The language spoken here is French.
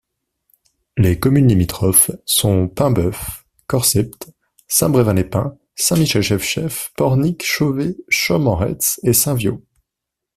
Les communes limitrophes sont Paimbœuf, Corsept, Saint-Brévin-les-Pins, Saint-Michel-Chef-Chef, Pornic, Chauvé, Chaumes-en-Retz et Saint-Viaud.